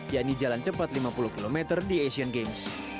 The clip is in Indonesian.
yakni jalan cepat lima puluh km di asian games